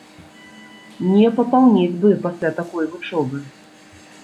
Не папаўнець бы пасля такой вучобы.